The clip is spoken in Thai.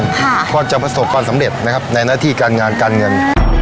พอจะประสบความสำเร็จนะครับในหน้าที่การงานการเงิน